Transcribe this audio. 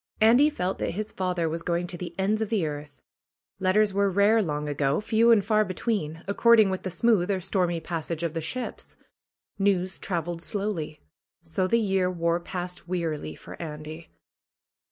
Andy felt that his father was going to the ends of the earth. Letters were rare long ago, few and far between, ac cording with the smooth or stormy passage of the ships. News traveled slowly. So the year wore past wearily for Andy.